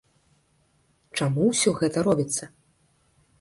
Чаму ўсё гэта робіцца?